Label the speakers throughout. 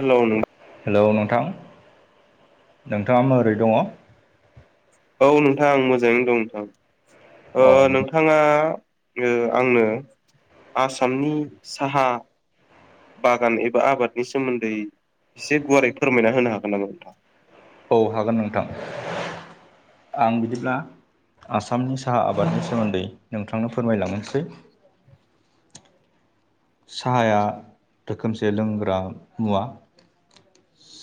Speaker 1: Hello नों
Speaker 2: hello नोंथां नोंथाङा माबोरै दङ
Speaker 1: औ नोंथां आं मोजाङैनो दं नोंथां ओ नोंथ थाङा ओ आंनो आसामनि साहा बागान एबा आबादनि सोमोन्दै एसे गुवारै फोरमायना होनो हागोन नामा नोंथां
Speaker 2: औ हागोन नोंथां आं बिदिब्ला आसामनि साहा आबादनि सोमोन्दै नोंथांनो फोरमायलांनोसै साहाया रोखोमसे लोंग्रा मुवा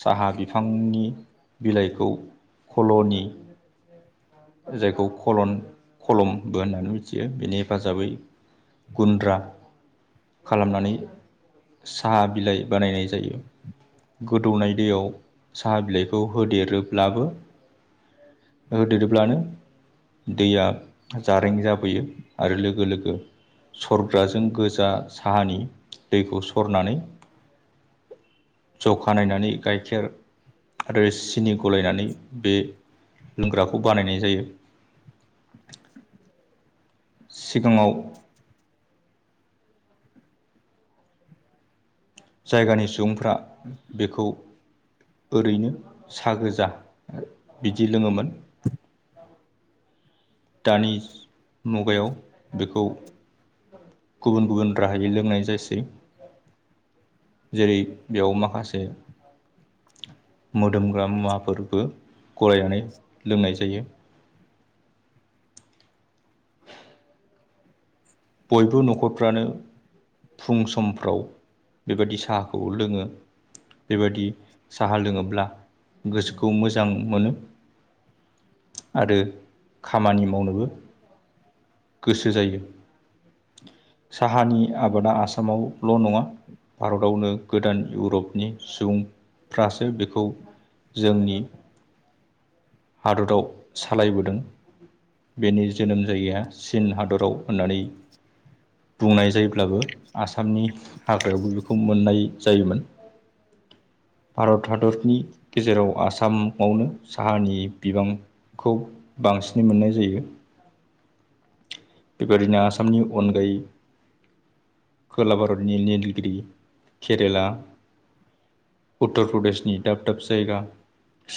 Speaker 2: साहा बिफांनि बिलाइखौ कल'नि जायखौ खलन खलमबो होननानै मिथियो बेनि हेफाजाबै गुन्द्रा खालामनानै साहा बिलाइ बानायनाय जायो गोदौनाय दैयाव साहा बिलाइखौ होदेरोब्लाबो होदेदोब्लानो दैया जारें जाबोयो आरो लोगो लोगो सरग्राजों गोजा साहानि दैखौ सरनानै जौखा नायनानै गाइखेर आरो सिनि गलायनानै बे लोंग्राखौ बानायनाय जायो सिगाङाव जायगानि सुबुंफ्रा बेखौ ओरैनो सा गोजा बिदि लोङोमोन दानि मुगायाव बेखौ गुबुन गुबुन राहायै लोंनाय जासै जेरै बेयाव माखासे मोदोमग्रा मुवाफोरबो गलायनानै लोंनाय जायो बयबो न'खरफ्रानो फुं समफ्राव बेबायदि साहाखौ लोङो बेबायदि साहा लोङोब्ला गोसोखौ मोजां मोनो आरो खामानि मावनोबो गोसो जायो साहानि आबादा आसामावल' नङा भारतावनो गोदान इउरपनि सुबुंफ्रासो बेखौ जोंनि हादराव सालायबोदों बेनि जोनोम जायगाया चीन हादराव होननानै बुंनाय जायोब्लाबो आसामनि हाग्रायावबो बेखौ मोननाय जायोमोन भारत हादरनि गेजेराव आसामावनो साहानि बिबांखौ बांसिनै मोननाय जायो बेबायदिनो आसामनि अनगायै खोला भारतनि निलगिरि केरेला उत्तर प्रदेशनि दाब दाब जायगा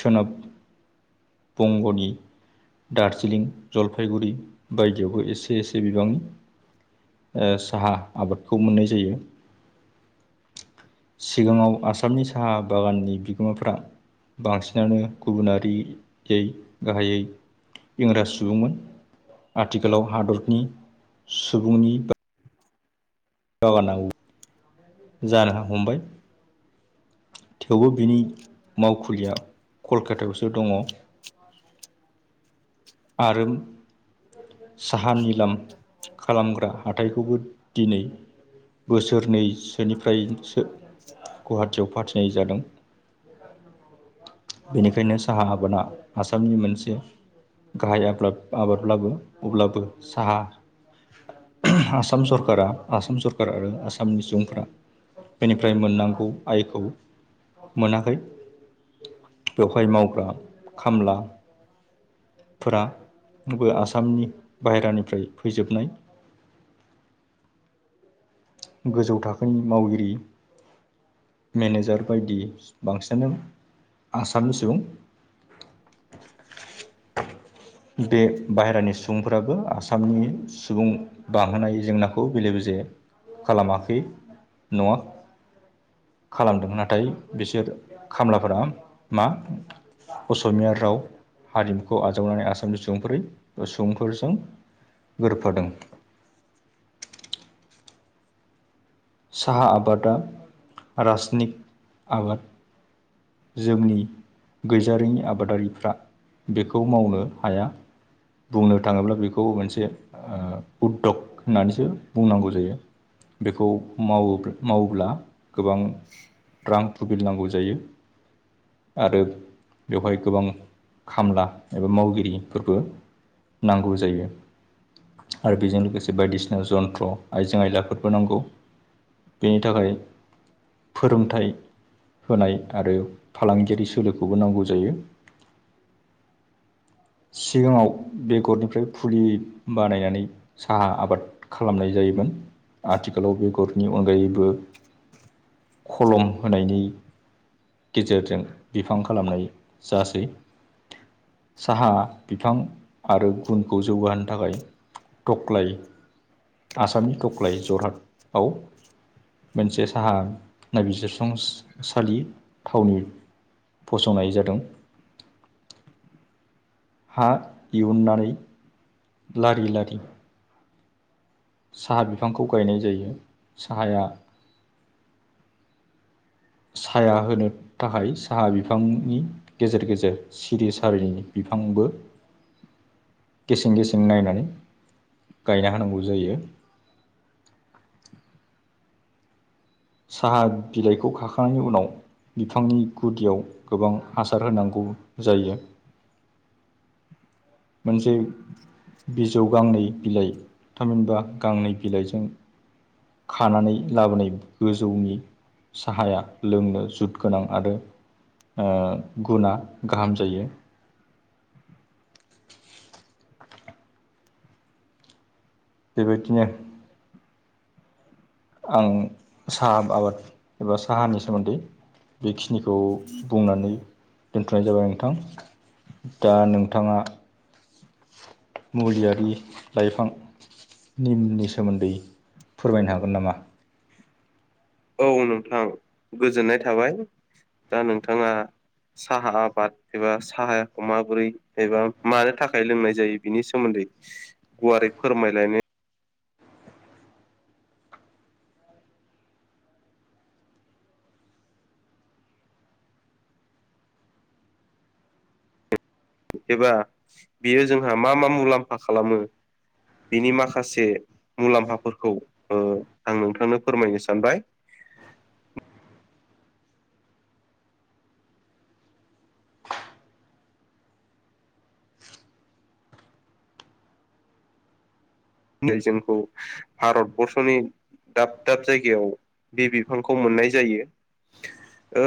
Speaker 2: सोनाब बंग'नि दार्जिलिं, जलफाइगुरि बायदियावबो एसे एसे एसे बिबांनि ओ साहा आबादखौ मोननाय जायो सिगाङाव आसामनि साहा बागाननि बिगोमाफ्रा बांसिनानो गुबुनारियै गाहायै इंराज सुबुंमोन आथिखालाव हादरनि सुबुंनि बा दावगानांगौ जानो हमबाय थेवबो बिनि मावखुलिया कलकातायावसो दङ आरो साहा निलाम खालामग्रा हाथाइखौबो दिनै बोसोरनैसोनिफ्रायसो गुवाहाटियाव फाथिनाय जादों। बेनिखायनो साहा आबादा आसामनि मोनसे गाहाय आब्लाब आबादब्लाबो अब्लाबो साहा आसाम सरका आसाम सरखार आरो आसामनि सुबुंफोरा बेनिफ्राय मोननांगौ आयखौ मोनाखै बेवहाय मावग्रा खामला फोरा बो आसामनि बाहेरानिफ्राय फैजोबनाय। गोजौ थाखोनि मावगिरि मेनेजार बायदि बांसिनानो आसामनि सुबुं। बे बाहेरानि सुबुंफोराबो आसामनि सुबुं बांहोनाय जेंनाखौ बेले बेजे खालामाखै नङा खालामदों नाथाय बिसोर खामलाफोरा मा असमिया राव हारिमुखौ आजावनानै आसामनि सुबुंफोरै ओं सुबुंफोरजों गोरोबफादों। साहा आबादा रासनिक आबाद। जोंनि गैजारिङि आबादारिफ्रा बेखौ मावनो हाया। बुंनो थाङोब्ला बेखौ मोनसे ओं उद्धग होननानैसो बुंनांगौ जायो। बेखौ मावोबो मावोब्ला गोबां रां थुबिल नांगौ जायो। आरो बेवहाय गोबां खामला एबा मावगिरिफोरबो नांगौ जायो। आरो बेजों लोगोसे बायदिसिना जन्थ्र आइजें आयलाफोरबो नांगौ। बेनि थाखाय फोरोंथाइ होनाय आरो फालांगियारि सोलोखौबो नांगौ जायो। सिगाङाव बेगरनिफ्राय फुलि बानायनानै साहा आबाद खालामनाय जायोमोन। आथिखालाव बेगरनि अनगायैबो खलम होनायनि गेजेरजों बिफां खालामनाय जासै। साहा बिफां आरो गुनखौ जौगाहोनो थाखाय थख्लाय आसामनि थख्लाय जरहाटआव मोनसे साहा नायबिजिरसंसालि थावनि फसंनाय जादों। हा दिहुननानै लारि लारि साहा बिफांखौ गायनाय जायो साहाया साया होनो थाखाय साहा बिफांनि गेजेर गेजेर सिरि सारिनि बिफांबो गेसें गेसें नायनानै गायना होनांगौ जायो। साहा बिलाइखौ खाखांनायनि उनाव बिफांनि गुदियाव गोबां हासार होनांगौ जायो। मोनसे बिजौ गांनै बिलाइ थामहिनबा गांनै बिलाइजों खानानै लाबोनाय गोजौनि साहाया लोंनो जुद गोनां आरो ओ गुना गाहाम जायो। [inaudible] बेबायदिनो आं साहा आबाद एबा साहानि सोमोन्दै बेखिनिखौ बुंनानै दोनथ'नाय जाबाय नोंथां दा नोंथाङा मुलियारि लाइफां निमनि सोमोन्दै फोरमायनो हागोन नामा?
Speaker 1: औ नोंथां गोजोननाय थाबाय दा नोंथाङा साहा आबाद एबा साहाखौ माबोरै एबा मानो थाखाय लोंनाय जायो बिनि सोमोन्दै गुवारै फोरमायलायनो एबा बियो जोंहा मा मा मुलाम्फा खालामो बिनि माखासे मुलाम्फाफोरखौ ओं आं नोंथांनो फोरमायनो सानबाय। नै जोंखौ भारत बरर्स'नि दाब दाब जायगायाव बे बिफांखौ मोननाय जायो। ओ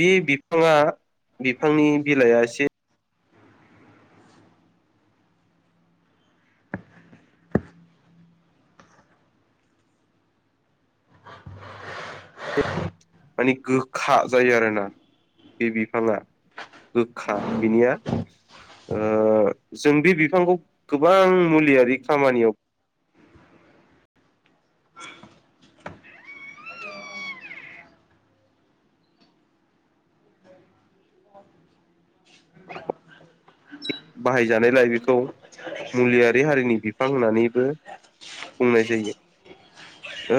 Speaker 1: बे बिफाङा बिफांनि बिलाइया एसे माने गोखा जायो आरोना बे बिफाङा। गोखा बिनिया। ओ जों बे बिफांखौ गोबां मुलियारि खामानियाव बाहायजानायलाय बेखौ मुलियारि हारिनि बिफां होननानैबो होननाय जायो। ओ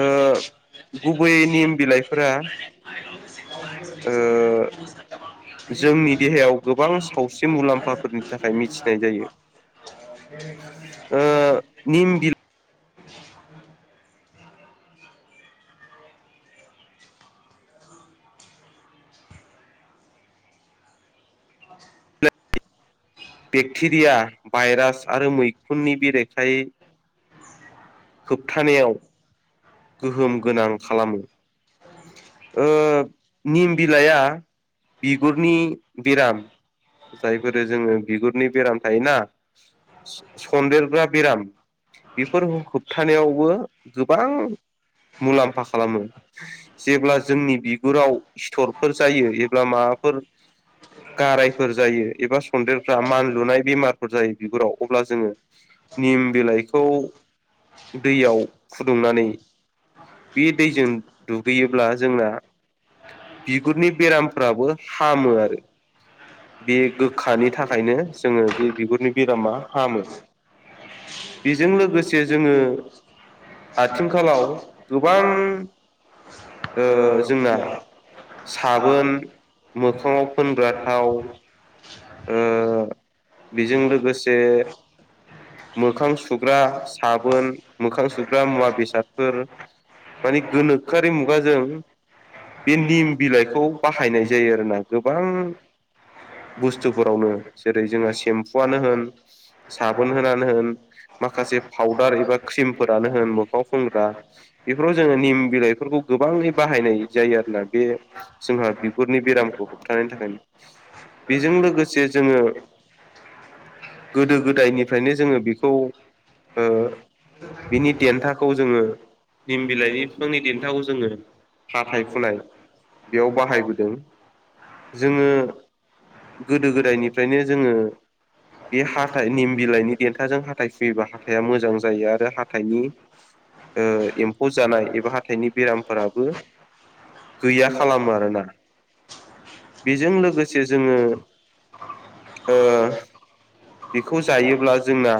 Speaker 1: गुबै निम बिलाइफोरा ओ
Speaker 2: [unintelligible]
Speaker 1: जोंनि देहायाव गोबां सावस्रि मुलाम्फाफोरनि थाखाय मिथिनाय जायो ओ निम बिल बेक्टेरिया भाइरास आरो मैखुननि बेरेखायै होबथानायाव गोहोम गोनां खालामो। ओ निम बिलाइआ बिगुरनि बेराम जायफोरो जोङो बिगुरनि बेराम थायोना सनदेरग्रा बेराम बेफोर होबथानायावबो गोबां मुलाम्फा खालामो। जेब्ला जोंनि बिगुराव सिथरफोर जायो एब्ला माबाफोर गारायफोर जायो एबा सन्देरग्रा मानलुनाय बेमारफोर जायो बिगुराव अब्ला जोङो निम बिलाइखौ दैयाव फुदुंनानै बे दैजों दुगैयोब्ला जोंना बिगुरनि बेरामफ्राबो हामो आरो बे गोखानि थाखायनो जोङो बे बिगुरनि बेरामा हामो। बेजों लोगोसे जोङो
Speaker 2: [unintelligible]
Speaker 1: आथिंखालाव गोबां ओ जोंना साबोन मोखाङाव फोनग्रा थाव ओ बेजों लोगोसे मोखां सुग्रा साबोन मोखां सुग्रा मुवा बेसादफोर माने गोनोखोआरि मुगाजों बे निम बिलाइखौ बाहायनाय जायो आरोना गोबां बुस्थुफोरावनो जेरै जोंहा सेम्फुआनो होन साबोन होनानो होन माखासे पाउदार एबा क्रिमफोरानो होन मोखाङाव फुनग्रा बेफोराव जोङो निम बिलाइफोरखौ गोबाङै बाहायनाय जायो आरोोना बे जोंहा बिगुरनि बेरामखौ होबथानायनि थाखायनो बेजों लोगोसे जोङो गोदो गोदायनिफ्रायनो जोङो बेखौ ओ बिनि देन्थाखौ जोङो निम बिलाइनि फिफांनि देन्थाखौ जोङो हाथाय फुनाय
Speaker 2: [unintelligible]
Speaker 1: बेयाव बाहायबोदों जोङो गोदो गोदायनिफ्रायनो जोङो बे हाथाइ निम बिलाइनि देन्थाजों हाथाय हुयोबा हाथाइआ मोजां जायो आरो हाथाइनि ओ एम्फौ जानाय एबा हाथाइनि बेरामफोराबो गैया खालामो आरोना बेजों लोगोसे जोङो
Speaker 2: ओ
Speaker 1: बेखौ जायोब्ला जोंना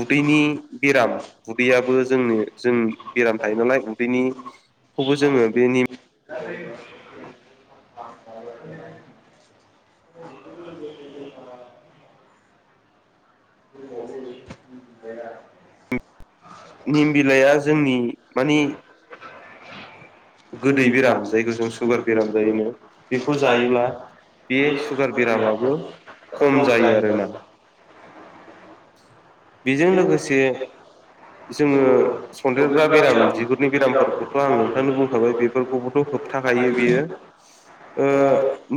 Speaker 1: उदैनि बेराम उदैयाबो जोंनि-जोंनि बेराम थायो नालाय उदैनिखौबो जोङो बे निम
Speaker 2: [unintelligible]
Speaker 1: [unintelligible] निम बिलाइया जोंनि मानि गोदै बेराम जायखौ जों सुगार बेराम जायोनो बेखौ जायोब्ला बे सुगार बेरामाबो खम जायो आरोना बेजों लोगोसे जोङो सनदेरग्रा बेराम बिगुरनि बेरामफोरखौथ' आं नोंथांनो बुं खाबाय बेफोरखौबोथ' होबथाखायो बेयो ओ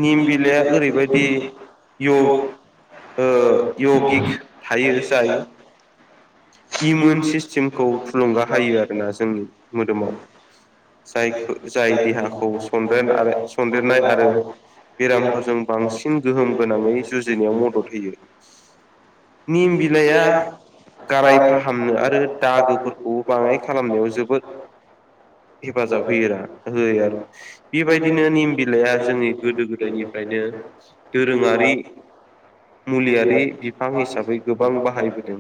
Speaker 1: निम बिलाइया ओरैबायदि इअ ओ इअगिक थायो जाय इमोन सिस्टिमखौ थुलुंगा हायो आरोना जोंनि मोदोमाव जायखो जाय देहाखौ सनदेन आरो सनदेरनाय आरो बेरामफोरजों बांसिन गोहोम गोनाङै जुजिनायाव मदद होयो। निम बिलाइया गाराय फाहामनो आरो दागोफोरखौ बाङाय खालामनायाव जोबोद हेफाजाब होयोरा होयो आरो बेबायदिनो निम बिलाइया जोंनि गोदो गोदायनिफ्रायनो दोरोङारि मुलियारि बिफां हिसाबै गोबां बाहायबोदों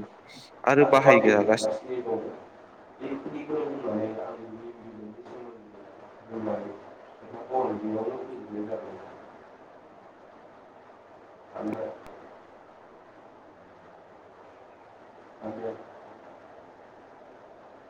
Speaker 1: आरो बाहायजागासिनो
Speaker 2: [unintelligible] [unintelligible] [unintelligible] [unintelligible] [unintelligible]